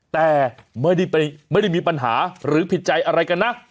แต่ไม่ได้มีปัญหาหรือผิดใจอะไรกันนะ